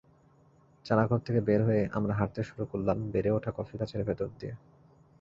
চারাঘর থেকে বের হয়ে আমরা হাঁটতে শুরু করলাম বেড়ে ওঠা কফিগাছের ভেতর দিয়ে।